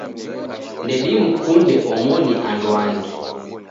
Ndedimkunde omoni anduangi.